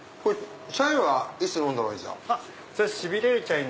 チャイはいつ飲んだほうがいいですか？